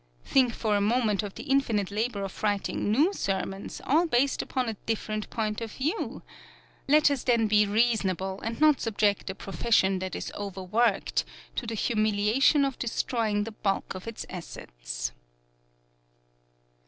Think for a moment of the infinite labor of writing new sermons, all based upon a different point of view let us then be reasonable and not subject a profession that is overworked to the humiliation of destroying the bulk of its assets."